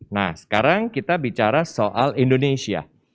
nah sekarang kita bicara soal indonesia